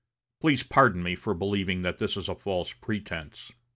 Please pardon me for believing that is a false pretense.